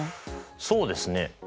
そうですね。